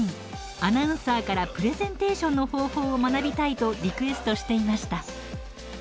アナウンサーからプレゼンテーションの方法を学びたいとリクエストしていました。